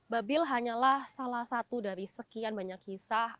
babil hanyalah salah satu dari sekian banyak kisah